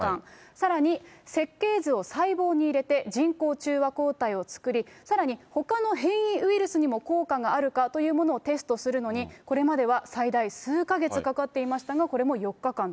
さらに設計図を細胞に入れて、人工中和抗体を作り、さらにほかの変異ウイルスにも効果があるかというものをテストするのに、これまでは最大数か月かかっていましたが、これも４日間と。